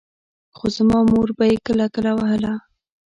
خو زما مور به يې کله کله وهله.